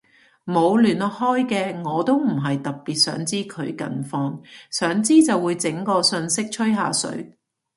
冇聯絡開嘅我都唔係特別想知佢近況，想知就會整個訊息吹下水